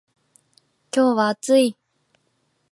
今日は暑い